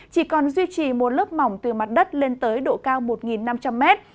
chỉ còn duy trì một lớp mỏng từ mặt đất lên tới độ cao một năm trăm linh mét